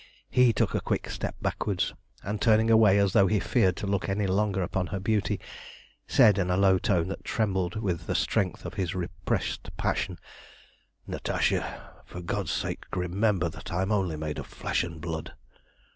He took a quick step backwards, and, turning away as though he feared to look any longer upon her beauty, said in a low tone that trembled with the strength of his repressed passion "Natasha, for God's sake remember that I am only made of flesh and blood!"